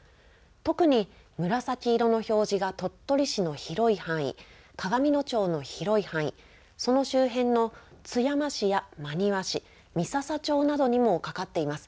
特に紫色の表示が鳥取市の広い範囲、鏡野町の広い範囲、その周辺の津山市や真庭市、三朝町などにもかかっています。